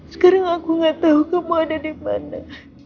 sekarang aku gak tau kamu ada dimana